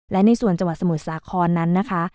และในส่วนจังหวัดสมุทรสาครนั้นนะคะ